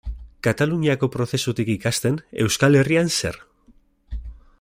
Kataluniako prozesutik ikasten, Euskal Herrian zer?